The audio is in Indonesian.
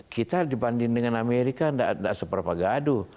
kita dibanding dengan amerika tidak seberapa gaduh